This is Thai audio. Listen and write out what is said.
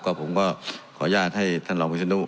ผมก็ขออนุญาตให้ท่านรองวิศนุ